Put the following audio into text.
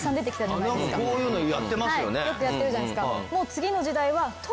はいよくやってるじゃないですか。